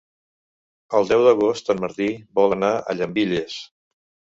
El deu d'agost en Martí vol anar a Llambilles.